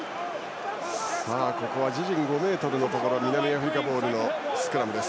自陣５ｍのところで南アフリカボールのスクラム。